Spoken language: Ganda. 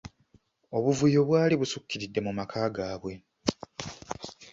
Obuvuyo bwali busukkiridde mu maka gaabwe.